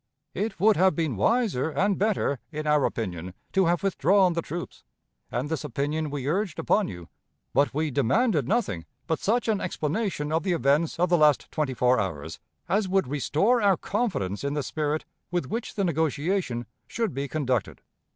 It would have been wiser and better, in our opinion, to have withdrawn the troops, and this opinion we urged upon you, but we demanded nothing but such an explanation of the events of the last twenty four hours as would restore our confidence in the spirit with which the negotiation should be conducted.